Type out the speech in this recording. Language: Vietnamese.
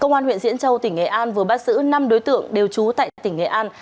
công an huyện diễn châu tỉnh nghệ an vừa bắt giữ năm đối tượng đều trú tại tỉnh nghệ an